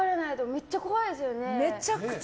むっちゃ怖いですよね。